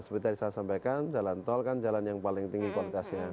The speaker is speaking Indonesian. seperti tadi saya sampaikan jalan tol kan jalan yang paling tinggi kualitasnya